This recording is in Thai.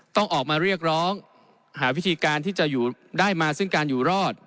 ต้องออกมาเรียกร้องหาวิธีการที่จะได้มาซึ่งการอยู่รอด